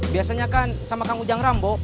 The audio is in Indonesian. biasanya kan sama kang ujang rambo